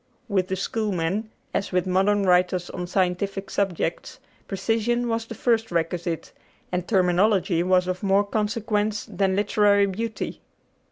With the Schoolmen, as with modern writers on scientific subjects, precision was the first requisite, and terminology was of more consequence than literary beauty.